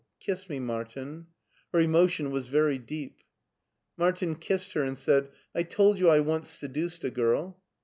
Kiss me/ Martin/' Her emotion was very deep. Martin kissed her and said, I told you I once seduced a girl?'